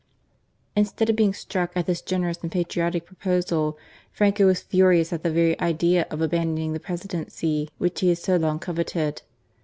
Instead of being struck at this generous and patriotic proposal. Franco was furious at the very idea of abandoning the Presidency which he had so long coveted.